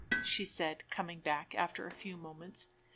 she said, coming back after a few moments.